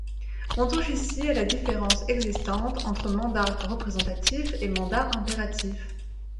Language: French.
On touche ici à la différence existante entre mandat représentatif et mandat impératif.